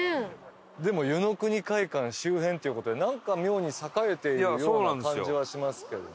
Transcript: でも湯の国会館周辺っていう事でなんか妙に栄えているような感じはしますけどね。